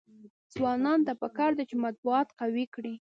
ځوانانو ته پکار ده چې، مطبوعات قوي کړي.